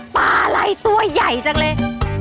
ปลาอะไรตัวใหญ่จังเลย